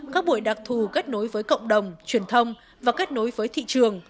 các buổi đặc thù kết nối với cộng đồng truyền thông và kết nối với thị trường